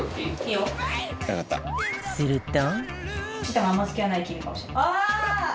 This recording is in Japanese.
すると。